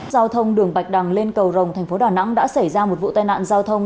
giao thông đường bạch đăng lên cầu rồng thành phố đà nẵng đã xảy ra một vụ tai nạn giao thông